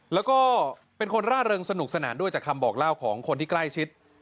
แล้วก็เป็นคนร่าเริงสนุกสนานด้วยจากคำบอกเล่าของคนที่ใกล้ชิด